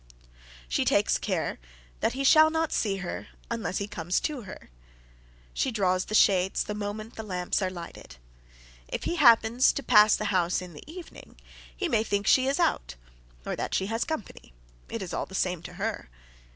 She takes care that he shall not see her unless he comes to her. She draws the shades the moment the lamps are lighted. If he happens to pass the house in the evening, he may think she is out, or that she has company it is all the same to her.